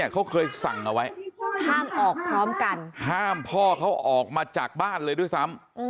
เขาเคยสั่งเอาไว้ห้ามออกพร้อมกันห้ามพ่อเขาออกมาจากบ้านเลยด้วยซ้ำ